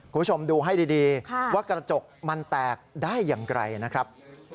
คุณผู้ชมดูให้ดีว่ากระจกมันแตกได้อย่างไรนะครับ